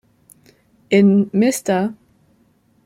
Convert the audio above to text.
In "Mr.